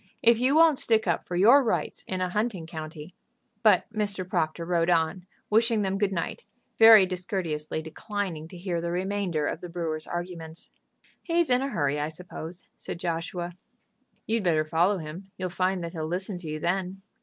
If you won't stick up for your rights in a hunting county " But Mr. Proctor rode on, wishing them good night, very discourteously declining to hear the remainder of the brewer's arguments. "He's in a hurry, I suppose," said Joshua. "You'd better follow him. You'll find that he'll listen to you then."